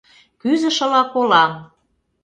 Кӱзышыла колам: